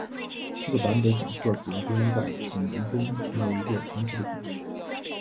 这个版本讲述了主人公在几年中成为了一个传奇的故事。